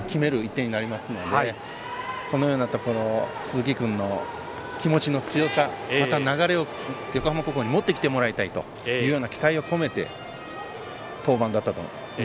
１点になりますのでそのようなところ鈴木君の気持ちの強さまた流れを横浜高校に持ってきてもらいたいという期待を込めての登板だと思います。